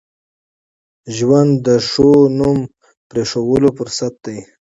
ژوند د ښو نوم پرېښوولو فرصت دی.